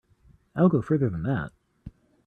I'll go further than that.